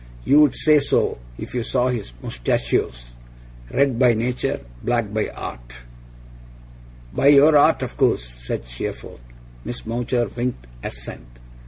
You'd say so, if you saw his moustachios. Red by nature, black by art.' 'By your art, of course,' said Steerforth. Miss Mowcher winked assent.